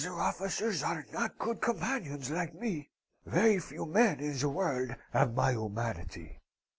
Other officers are not good companions like me. Very few men in the world have my humanity.